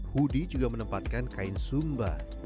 hoodie juga menempatkan kain sumbah